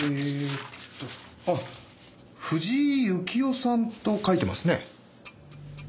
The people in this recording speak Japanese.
あっ藤井由紀夫さんと書いてますね。